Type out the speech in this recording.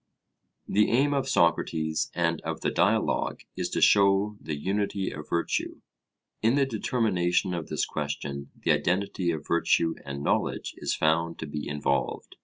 The aim of Socrates, and of the Dialogue, is to show the unity of virtue. In the determination of this question the identity of virtue and knowledge is found to be involved.